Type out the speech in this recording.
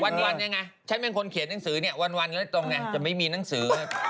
วันยังไงฉันเป็นคนเขียนหนังสือเนี่ยวันก็ตรงไงจะไม่มีหนังสือ